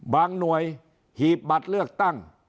หน่วยหีบบัตรเลือกตั้ง